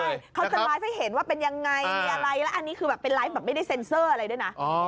ใช่นะครับคือเขาใช้ให้เห็นว่าเป็นยังไงนี่อะไรนี่และอันนี้คือแบบเป็นไลส์ไม่ได้เซ็นเซอร์อะไรด้วยนะ